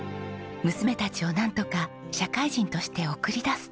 娘たちをなんとか社会人として送り出すと。